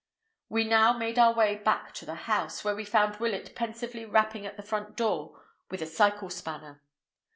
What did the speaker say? We now made our way back to the house, where we found Willett pensively rapping at the front door with a cycle spanner.